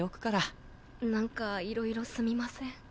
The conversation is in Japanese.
なんかいろいろすみません。